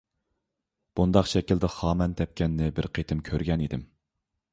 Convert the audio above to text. بۇنداق شەكىلدە خامان تەپكەننى بىر قېتىم كۆرگەن ئىدىم.